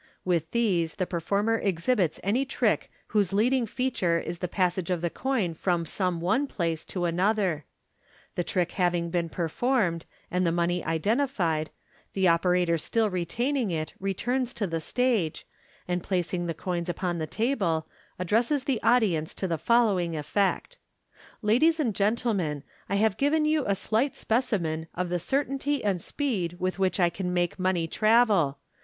With these the performer exhibits any trick whose heading feature is the passage of the coin from some one place to another. The trick having been performed, and the money identified, me operator still retaining it, returns to the stage, and placing the coins upon the table, addresses the audience to the following effect: u Ladies and gentlemen, I have given you a slight specimen of the certainty and speed with which I can make money travel.